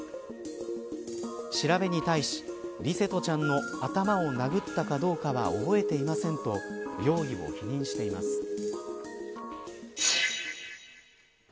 調べに対し、琉聖翔ちゃんの頭を殴ったかどうかは覚えていませんと容疑を否認しています。